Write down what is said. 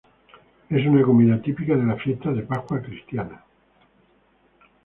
Es una comida típica de las fiestas de Pascua cristiana.